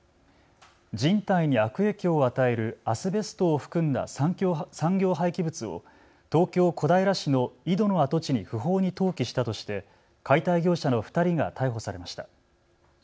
人体に悪影響を与えるアスベストを含んだ産業廃棄物を東京小平市の井戸の跡地に不法に投棄したとして解体業者の２人が逮捕されました。